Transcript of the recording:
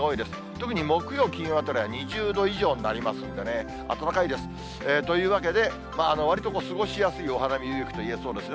特に木曜、金曜あたりは２０度以上になりますんでね、暖かいです。というわけで、わりと過ごしやすいお花見日和となりそうですね。